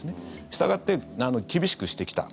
したがって、厳しくしてきた。